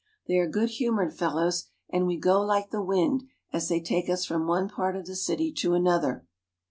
They are good humored fellows, and we go like the wind as they take us from one part of the city to another.